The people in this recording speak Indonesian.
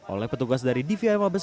oleh petugas dari dvm abes